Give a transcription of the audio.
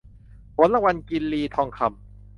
ผลรางวัลกินรีทองคำ